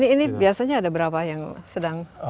ini biasanya ada berapa yang sedang